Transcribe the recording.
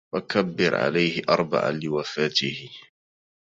فَكَبِّر عَلَيهِ أَربَعاً لِوَفاتِهِ